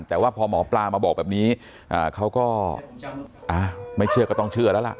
แต่ว่าพอหมอปลามาบอกแบบนี้เขาก็ไม่เชื่อก็ต้องเชื่อแล้วล่ะ